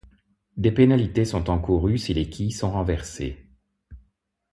Des pénalités sont encourues si les quilles sont renversées.